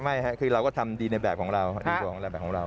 ไม่คือเราก็ทำดีในแบบของเรา